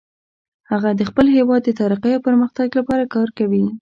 هغه د خپل هیواد د ترقۍ او پرمختګ لپاره کار کوي